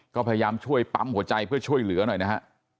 ก็พยายามช่วยปั๊มหัวใจเพื่อช่วยเหลือหน่อยนะฮะ